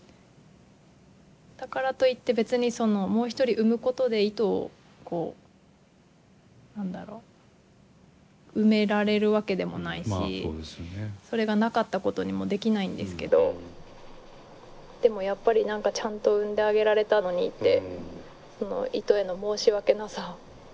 だからといって別にそのもう一人産むことでイトをこう何だろう埋められるわけでもないしそれがなかったことにもできないんですけどでもやっぱり何かちゃんと産んであげられたのにってそのイトへの申し訳なさが自分の中で。